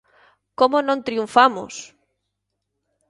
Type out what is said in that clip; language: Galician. Como non triunfamos!